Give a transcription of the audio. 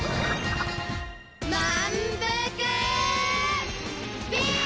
まんぷくビーム！